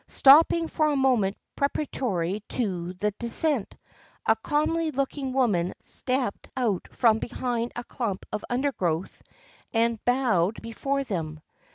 Stopping for a moment preparatory to the descent, a comely looking woman stepped out from behind a clump of undergrowth and bowed before them.